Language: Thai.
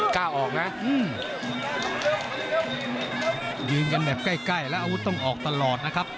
กล้าออกนะยืนกันแบบใกล้ใกล้แล้วอาวุธต้องออกตลอดนะครับ